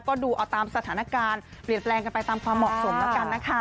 ก็ดูเอาตามสถานการณ์เปลี่ยนแปลงกันไปตามความเหมาะสมแล้วกันนะคะ